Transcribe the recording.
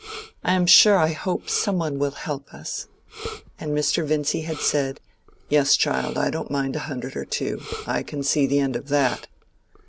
I am sure I hope some one will help us." And Mr. Vincy had said, "Yes, child, I don't mind a hundred or two. I can see the end of that."